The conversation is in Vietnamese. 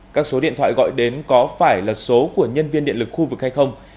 các số điện thoại gọi đến có phải là số của nhân viên điện lực khu vực hay không